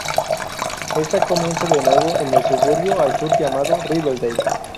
Esta comienza de nuevo en el suburbio al sur llamado Riverdale.